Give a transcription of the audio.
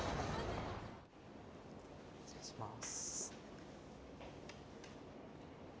失礼します。